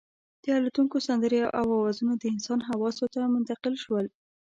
د الوتونکو سندرې او اوازونه د انسان حواسو ته منتقل شول.